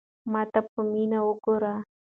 ما ته په مینه وگوره.